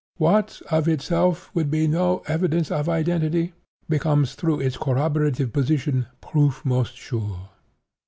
What, of itself, would be no evidence of identity, becomes through its corroborative position, proof most sure.